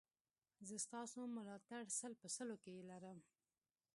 زه ستاسو ملاتړ سل په سلو کې لرم